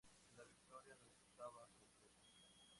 La victoria no estaba completa.